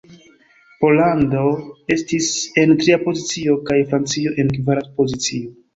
Pollando estis en tria pozicio, kaj Francio en kvara pozicio.